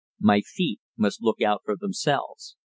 My feet must look out for themselves.